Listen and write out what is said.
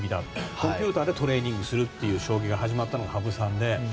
コンピューターでトレーニングするっていう将棋が始まったのが羽生さんで。